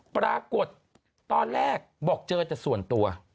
ปรากฏตอนแรกบอกเจอแต่ส่วนตัว